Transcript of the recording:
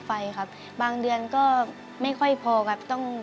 ให้ล้างร้องได้ให้ล้าง